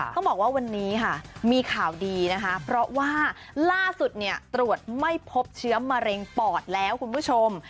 ต้องบอกว่าวันนี้ค่ะมีข่าวดีนะคะเพราะว่าล่าสุดเนี่ยตรวจไม่พบเชื้อมะเร็งปอดแล้วคุณผู้ชม